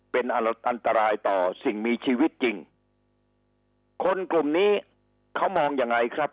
เป็นอันตรายต่อสิ่งมีชีวิตจริงคนกลุ่มนี้เขามองยังไงครับ